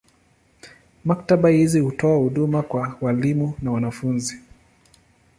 Maktaba hizi hutoa huduma kwa walimu na wanafunzi.